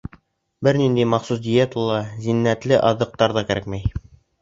Бер ниндәй махсус диета ла, зиннәтле аҙыҡтар ҙа кәрәкмәй.